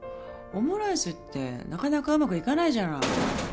オムライスってなかなかうまくいかないじゃない。